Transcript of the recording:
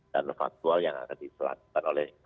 dan paktual yang akan ditelanjukan oleh